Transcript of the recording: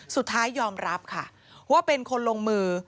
สุดท้ายยอมรับค่ะว่าเป็นคนลงมือ